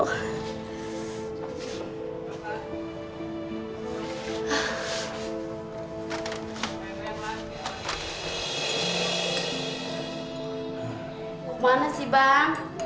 kemana sih bang